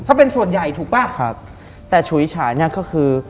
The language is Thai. ถ้าเป็นส่วนใหญ่ถูกป่ะครับแต่ฉุยฉายเนี้ยก็คือ